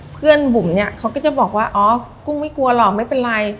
บุ๋มเนี่ยเขาก็จะบอกว่าอ๋อกุ้งไม่กลัวหรอกไม่เป็นไร